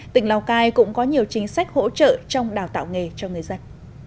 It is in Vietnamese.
tỉnh lào cai cũng có nhiều chính sách hỗ trợ trong đào tạo nghề cho người dân